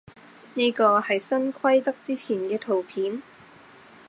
呢個係新規則之前嘅圖片